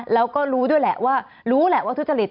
แล้วก็รู้ด้วยแหละว่ารู้แหละว่าทุจริต